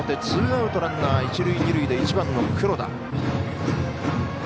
ツーアウトランナー、一塁二塁で１番の黒田。